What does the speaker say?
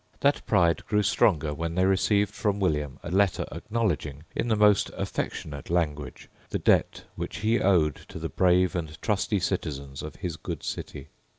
That pride grew stronger when they received from William a letter acknowledging, in the most affectionate language, the debt which he owed to the brave and trusty citizens of his good city.